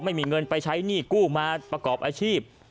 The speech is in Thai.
ไม่มีเงินไปใช้หนี้กู้มาประกอบอาชีพ